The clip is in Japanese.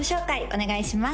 お願いします